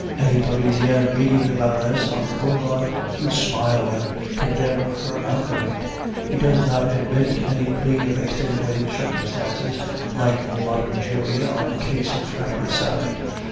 Any Parisian meeting the Baroness on the boulevard would smile and condemn her outright; he does not admit any plea of extenuating circumstances, like a modern jury on a case of fratricide.